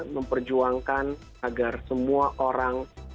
memperjuangkan agar semua orang